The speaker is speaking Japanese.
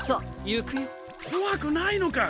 ゆくよ！こわくないのか？